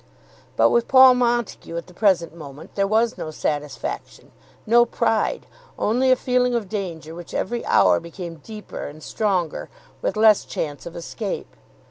But with Paul Montague at the present moment there was no satisfaction, no pride, only a feeling of danger which every hour became deeper, and stronger, with less chance of escape.